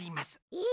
え！